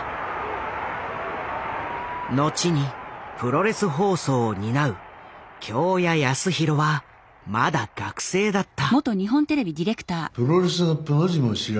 後にプロレス放送を担う京谷康弘はまだ学生だった。